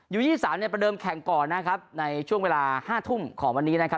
ยูยี่สิบสามเนี่ยประเดิมแข่งก่อนนะครับในช่วงเวลาห้าทุ่มของวันนี้นะครับ